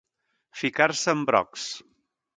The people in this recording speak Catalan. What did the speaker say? Ficar-se en brocs.